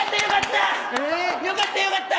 良かった良かった。